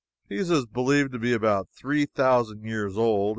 Pisa is believed to be about three thousand years old.